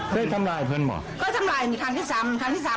แล้วมันนี่ผู้ตายอยู่ใส่ครับ